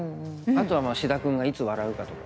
あとは志田君がいつ笑うかとか。